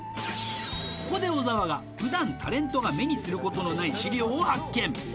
ここで小沢が普段タレントが目にすることのない資料を発見